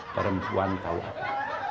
perempuan tahu apa